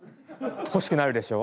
欲しくなるでしょ？